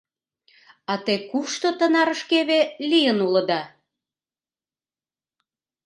А те кушто тынарышкеве лийын улыда?